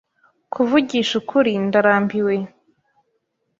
Kuvugisha ukuri, ndarambiwe.